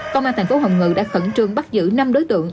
công an thành phố hồng ngự đã khẩn trương bắt giữ năm đối tượng